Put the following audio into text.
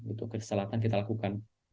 untuk keselelakan kita lakukan